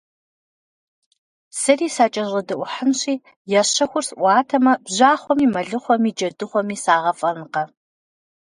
Сэри сакӀэщӀэдэӀухьынщи, я щэхур сӀуатэмэ, бжьахъуэми, мэлыхъуэми, джэдыхъуэми сагъэфӀэнкъэ!